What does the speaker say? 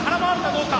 どうか！